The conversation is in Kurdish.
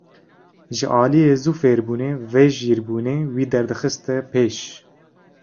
Ji aliyê zû fêrbûnê ve jîrbûnê wî derdixiste pêş.